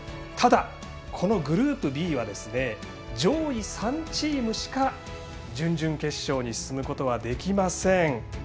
ただ、このグループＢは上位３チームしか準々決勝に進むことはできません。